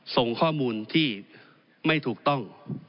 ส่งข้อมูลที่ไม่ถูกต้อง